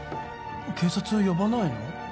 警察呼ばないの？